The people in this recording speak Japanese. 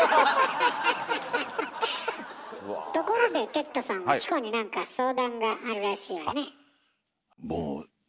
ところで哲太さんはチコに何か相談があるらしいわね。